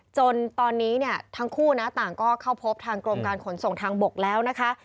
จนตอนนี้เนี่ยทั้งคู่นะต่างก็เข้าพบทางกรมการขนส่งทางบกแล้วนะคะ